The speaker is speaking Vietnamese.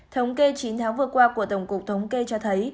thống kê chín tháng vừa qua của tổng cục thống kê cho thấy